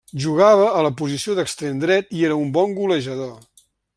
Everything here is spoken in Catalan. Jugava a la posició d'extrem dret i era un bon golejador.